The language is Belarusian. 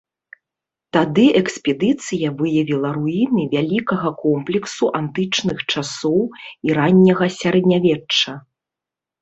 Тады экспедыцыя выявіла руіны вялікага комплексу антычных часоў і ранняга сярэднявечча.